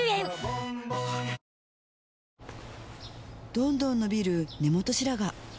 どんどん伸びる根元白髪